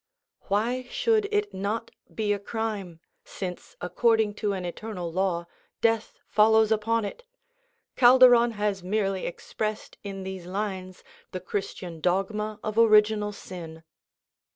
Why should it not be a crime, since, according to an eternal law, death follows upon it? Calderon has merely expressed in these lines the Christian dogma of original sin.